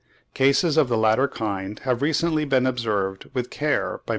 Cases of the latter kind have recently been observed with care by Mr. J.